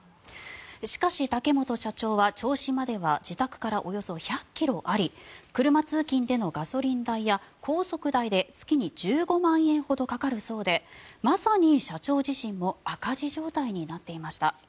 しかし、竹本社長は銚子までは自宅からおよそ１００ｋｍあり車通勤でのガソリン代や高速代で月に１５万円ほどかかるそうでまさに社長自身も赤字状態になっていました。